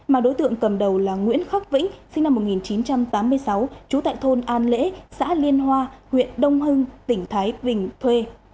mà đối tượng cầm đầu là nguyễn khắc vĩnh sinh năm một nghìn chín trăm tám mươi sáu trú tại thôn an lễ xã liên hoa huyện đông hưng tỉnh thái bình thuê